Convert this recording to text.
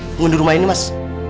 pengundur rumah ini mas